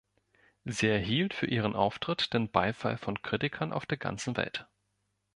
Sie erhielt für ihren Auftritt den Beifall von Kritikern auf der ganzen Welt.